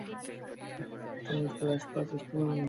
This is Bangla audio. তুমি ফ্ল্যাস করার চেষ্টা করো নি?